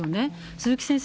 鈴木先生